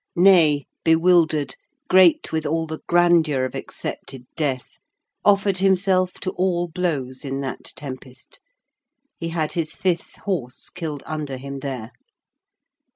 Ney, bewildered, great with all the grandeur of accepted death, offered himself to all blows in that tempest. He had his fifth horse killed under him there.